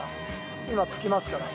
今、着きますから。